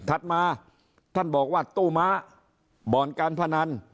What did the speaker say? ถัดมาท่านบอกว่าตู้ม้าบ่อนการพนัน